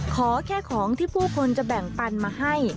ขอแค่ของที่ผู้คนจะแบ่งปันมาให้